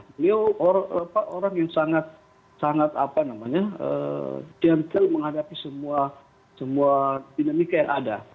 beliau orang yang sangat gentle menghadapi semua dinamika yang ada